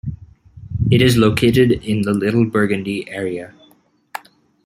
It is located in the Little Burgundy area.